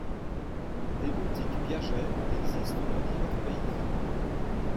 Des boutiques Piaget existent dans divers pays.